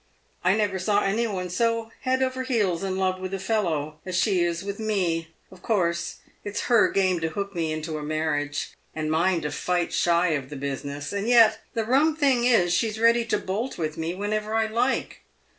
" I never saw any one so head over ears in love with a fellow as she is with me. Of course, it's her game to hook me into a mar riage, and mine to fight shy of the business. And yet the rum thing is she's ready to bolt with me whenever I like.